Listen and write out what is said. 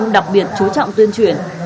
đặc biệt chú trọng tuyên truyền